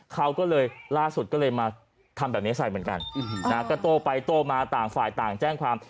เขาก็เลยล่าสุดก็เลยมาทำแบบนี้ใส่เหมือนกันก็โตไปโตมาต่างฝ่ายต่างแจ้งความ